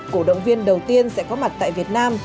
cổ động viên đầu tiên sẽ có mặt tại việt nam